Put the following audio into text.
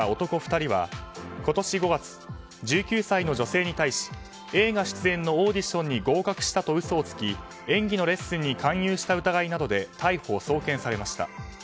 ２人は今年５月、１９歳の女性に対し映画出演のオーディションに合格したと嘘をつき演技のレッスンに勧誘した疑いなどで逮捕・送検されました。